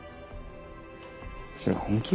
それ本気？